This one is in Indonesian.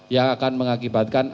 yang akan mengakibatkan